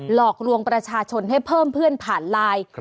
หลอกลวงประชาชนให้เพิ่มเพื่อนผ่านไลน์